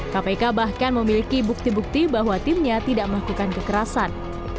kpk bahkan memiliki bukti bukti bahwa timnya tidak melakukan kekerasan